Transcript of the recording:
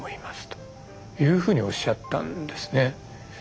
というふうにおっしゃったんですね。